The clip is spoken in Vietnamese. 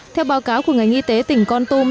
theo báo cáo của ngành y tế tỉnh con tum